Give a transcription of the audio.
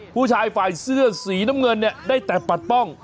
ผู้ชายฝ่ายเสื้อสีน้ำเงินเนี่ยได้แต่ปัดป้อง